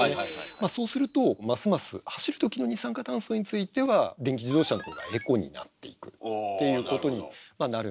まあそうするとますます走る時の二酸化炭素については電気自動車の方がエコになっていくっていうことになるんですよ。